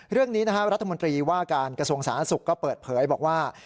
เรื่องนี้รัฐมนตรีว่าการกระทรวงสาธารณสุขก็เปิดเผยบอกว่า